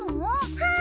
はい。